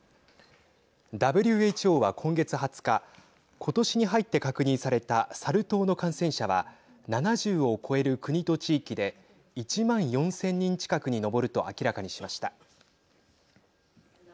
ＷＨＯは今月２０日ことしに入って確認されたサル痘の感染者は７０を超える国と地域で１万４０００人近くに上ると明らかにしました。